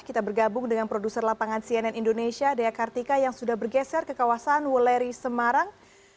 kita bergabung dengan produser lapangan cnn indonesia dea kartika yang sudah bergeser ke kawasan wuleri semarang